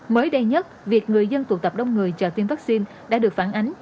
mới đây nhất việc người dân tụ tập đông người chờ tiêm vaccine đã được phản ánh